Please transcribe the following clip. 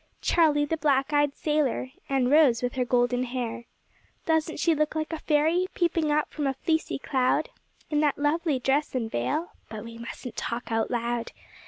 Charlie, the black eyed sailor, and Rose with her golden hair. Doesn't she look like a fairy peeping out from a fleecy cloud, In that lovely dress and veil? But we mustn't talk out loud.